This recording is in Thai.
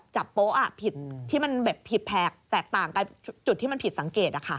โป๊ะผิดที่มันแบบผิดแผกแตกต่างกับจุดที่มันผิดสังเกต